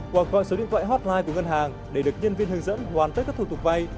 hoặc gọi số điện thoại hotline của ngân hàng để được nhân viên hướng dẫn hoàn tất các thủ tục vay